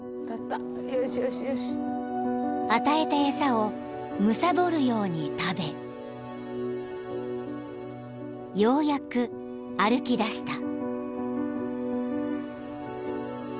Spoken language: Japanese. ［与えた餌をむさぼるように食べようやく歩きだした］